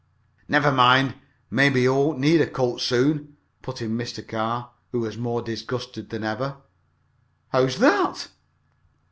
"Never mind, maybe you won't need a coat soon," put in Mr. Carr, who was more disgusted than ever. "How's that?"